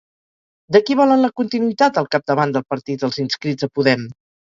De qui volen la continuïtat al capdavant del partit els inscrits a Podem?